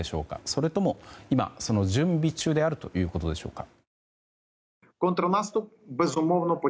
それとも今、その準備中であるということでしょうか。